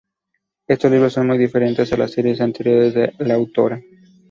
Estos libros son muy diferentes a las series anteriores de la autora.